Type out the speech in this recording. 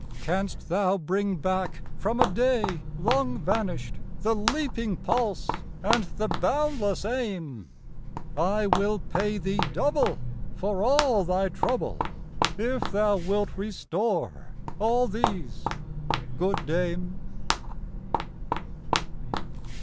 Canst thou bring back from a day long vanished The leaping pulse and the boundless aim? I will pay thee double, for all thy trouble, If thou wilt restore all these, good dame.